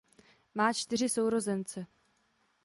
Má čtyři sourozence.